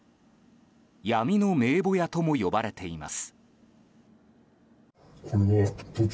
闇の名簿屋とも呼ばれています。